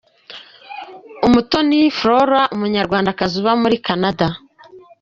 Umutoni Flora umunyarwandakazi uba muri Canada.